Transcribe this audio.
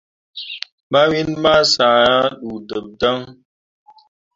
Mawin ma sã ah ɗuudeb dan.